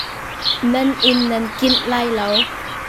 Nan inn nan kinh lai lo.